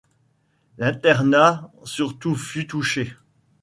L'internat surtout fut touché.